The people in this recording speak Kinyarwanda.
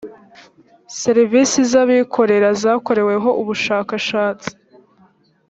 serivisi z’abikorera zakoreweho ubushakashatsi